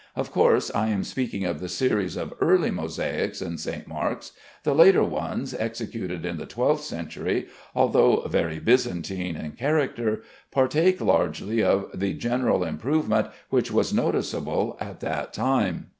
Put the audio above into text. Of course I am speaking of the series of early mosaics in St. Mark's. The later ones executed in the twelfth century, although very Byzantine in character, partake largely of the general improvement which was noticeable at that time.